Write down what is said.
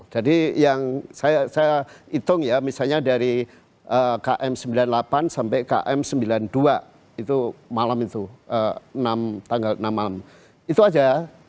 jadi yang saya hitung ya misalnya dari km sembilan puluh delapan sampai km sembilan puluh dua itu malam itu tanggal enam malam itu aja